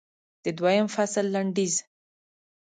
د دویم فصل لنډیز